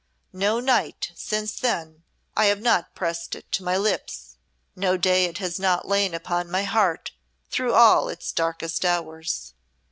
No night since then I have not pressed it to my lips. No day it has not lain upon my heart through all its darkest hours."